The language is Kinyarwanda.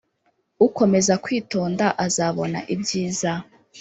Ukomeza kwitonda azabona ibyiza